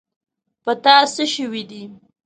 په تا څه شوي دي.